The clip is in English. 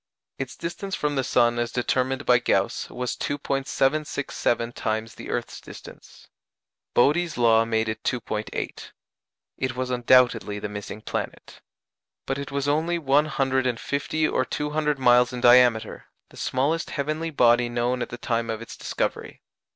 Its distance from the sun as determined by Gauss was 2·767 times the earth's distance. Bode's law made it 2·8. It was undoubtedly the missing planet. But it was only one hundred and fifty or two hundred miles in diameter the smallest heavenly body known at the time of its discovery.